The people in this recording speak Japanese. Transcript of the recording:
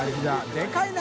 でかいな！